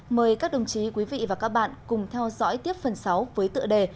mời các đồng chí quý vị và các bạn cùng theo dõi tiếp phần sáu với tựa đề